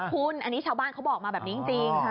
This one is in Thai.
คุณอันนี้ชาวบ้านเขาบอกมาแบบนี้จริง